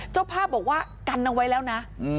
เจ้าภาพบอกว่ากันเอาไว้แล้วนะ